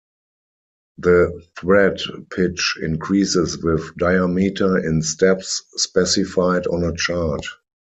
The thread pitch increases with diameter in steps specified on a chart.